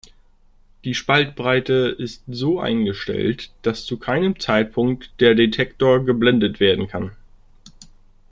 Die Spaltbreite ist so eingestellt, dass zu keinem Zeitpunkt der Detektor geblendet werden kann.